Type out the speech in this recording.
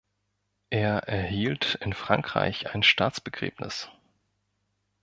Er erhielt in Frankreich ein Staatsbegräbnis.